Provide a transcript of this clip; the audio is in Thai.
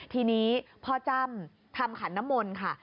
ทีนี้พ่อจำทำขันนมลค่ะ